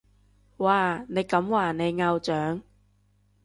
哇，你咁話你偶像？